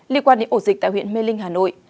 liên quan đến ổ dịch tại huyện mê linh hà nội